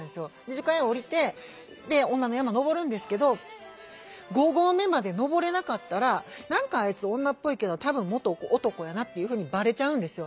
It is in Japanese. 樹海へ下りて女の山登るんですけど５合目まで登れなかったら「何かあいつ女っぽいけど多分元男やな」っていうふうにバレちゃうんですよ。